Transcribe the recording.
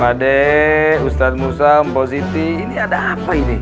pak d ustadz musam pak siti ini ada apa ini